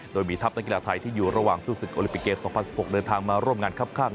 โดยมีทัพนักกีฬาไทยที่อยู่ระหว่างสู้ศึกโอลิปิกเกม๒๐๑๖เดินทางมาร่วมงานครับข้าง